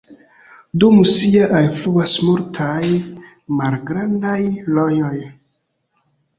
Dum sia alfluas multaj malgrandaj rojoj.